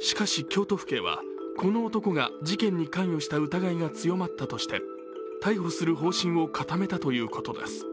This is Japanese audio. しかし、京都府警は、この男が事件に関与した疑いが強まったとして逮捕する方針を固めたということです。